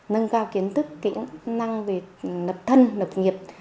nâng cao kiến thức kỹ năng về lập thân lập nghiệp